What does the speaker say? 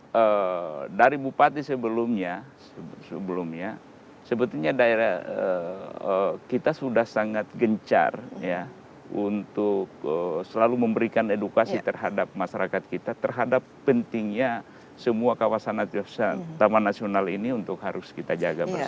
nah dari bupati sebelumnya sebetulnya daerah kita sudah sangat gencar untuk selalu memberikan edukasi terhadap masyarakat kita terhadap pentingnya semua kawasan taman nasional ini untuk harus kita jaga bersama